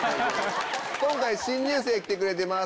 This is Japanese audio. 今回新入生来てくれてます